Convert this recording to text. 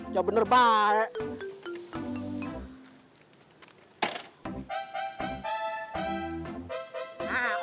gak bener pak